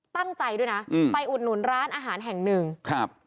ตั้งใจด้วยนะอืมไปอุดหนุนร้านอาหารแห่งหนึ่งครับ